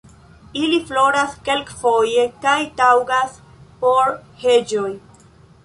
Ili floras kelkfoje kaj taŭgas por heĝoj.